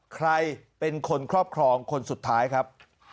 ใครเป็นคนครอบครองคนสุดท้ายครับ